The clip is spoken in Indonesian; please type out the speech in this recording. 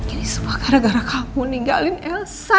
ini sebab gara gara kamu ninggalin elsa